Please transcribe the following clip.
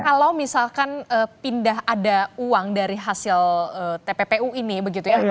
kalau misalkan pindah ada uang dari hasil tppu ini begitu ya